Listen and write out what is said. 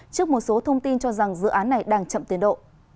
trước một số thông tin cho rằng dự án này đang chậm tiến độ